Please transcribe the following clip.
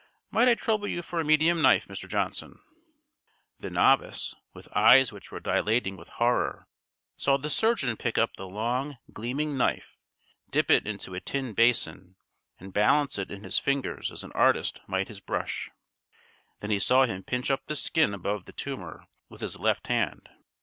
Might I trouble you for a medium knife, Mr. Johnson?" The novice, with eyes which were dilating with horror, saw the surgeon pick up the long, gleaming knife, dip it into a tin basin, and balance it in his fingers as an artist might his brush. Then he saw him pinch up the skin above the tumour with his left hand.